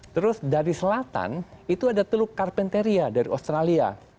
terus dari selatan itu ada teluk carpenteria dari australia